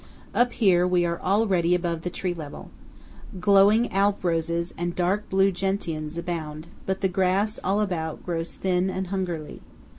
Up here we are already above the tree level. Glowing Alp roses and dark blue gentians abound; but the grass all about grows thin and hungerly.